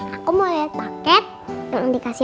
aku mau lihat paket yang dikasih